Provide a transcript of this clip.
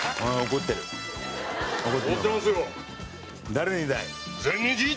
誰にだい？